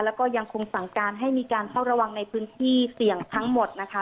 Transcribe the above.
แล้วก็ยังคงสั่งการให้มีการเฝ้าระวังในพื้นที่เสี่ยงทั้งหมดนะคะ